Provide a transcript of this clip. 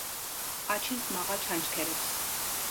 აჩენს მაღალ ჩანჩქერებს.